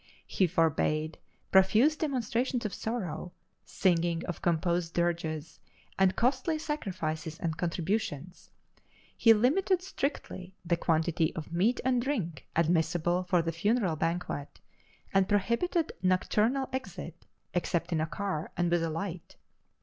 He forbade profuse demonstrations of sorrow, singing of composed dirges, and costly sacrifices and contributions. He limited strictly the quantity of meat and drink admissible for the funeral banquet, and prohibited nocturnal exit, except in a car and with a light.